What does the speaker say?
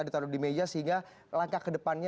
ditaruh di meja sehingga langkah kedepannya